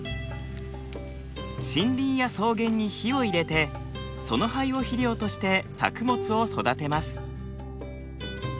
森林や草原に火を入れてその灰を肥料として作物を育てます。